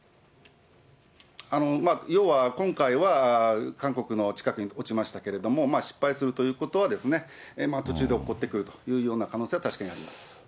要は今回は、韓国の近くに落ちましたけれども、失敗するということは、途中でおっこってくるという可能性は確かにあります。